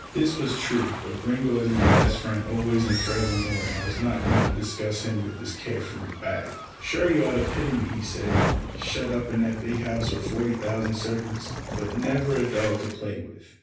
This was true, but Gringo is my best friend always and forevermore, and I was not going to discuss him with this care free wag. "Sure you ought to pity me," he said, "shut up in that big house with forty thousand servants, but never a dog to play with."